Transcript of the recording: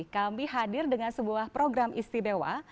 kami hadir dengan sebuah program istimewa